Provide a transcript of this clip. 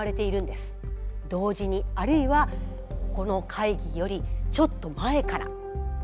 同時にあるいはこの会議よりちょっと前から。